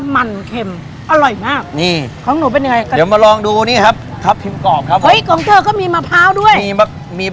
เมนูไหนที่ว่าแซ่บ